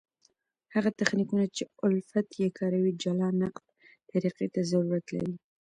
هغه تخنیکونه، چي الفت ئې کاروي جلا نقد طریقي ته ضرورت لري.